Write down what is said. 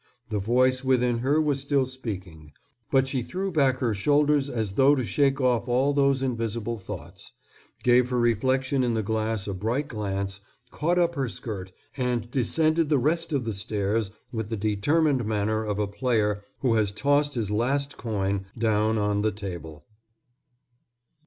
The voice within her was still speaking, but she threw back her shoulders as though to shake off all those invisible thoughts gave her reflection in the glass a bright glance, caught up her skirt, and descended the rest of the stairs with the determined manner of a player who has tossed his last coin down on the table.